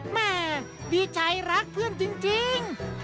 แม่ดีใจรักเพื่อนจริง